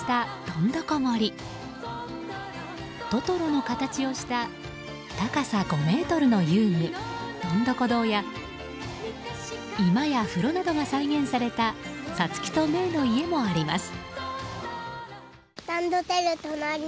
トトロの形をした高さ５ｍの遊具どんどこ堂や居間や風呂などが再現されたサツキとメイの家もあります。